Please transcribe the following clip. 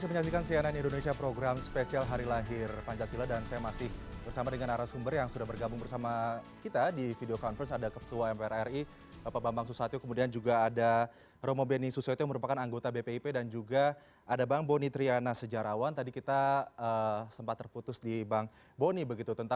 pancasila hari lahir pancasila